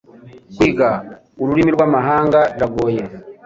Kwiga ururimi rwamahanga biragoye.